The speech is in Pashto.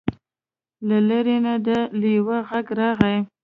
له لرې نه د لیوه غږ راغی.